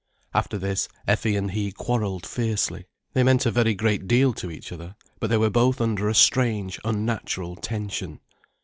After this, Effie and he quarrelled fiercely. They meant a very great deal to each other, but they were both under a strange, unnatural tension.